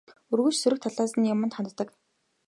Үргэлж сөрөг талаас нь юманд ханддаг.